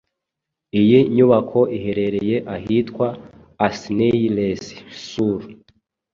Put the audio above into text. Iyi nyubako iherereye ahitwa Asnieres-sur